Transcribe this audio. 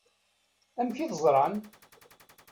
Amek i t-ẓṛan?